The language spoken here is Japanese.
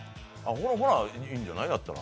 ほら、ええんじゃない、やったら。